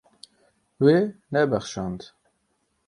Wê nebexşand.